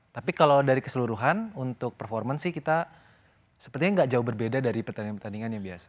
tapi kalau dari keseluruhan untuk performance sih kita sepertinya nggak jauh berbeda dari pertandingan pertandingan yang biasa